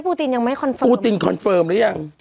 ตินยังไม่คอนเฟิร์มปูตินคอนเฟิร์มหรือยัง